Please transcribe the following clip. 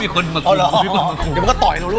ขุออย่างละ